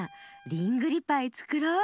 リングリパイつくろう。